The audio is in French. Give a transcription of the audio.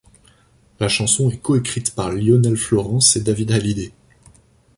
La chanson est coécrite par Lionel Florence et David Hallyday.